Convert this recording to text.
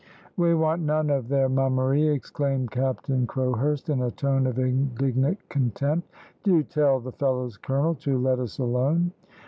"We want none of their mummery," exclaimed Captain Crowhurst, in a tone of indignant contempt. "Do tell the fellows, colonel, to let us alone."